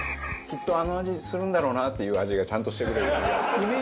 きっとあの味するんだろうなっていう味がちゃんとしてくれる。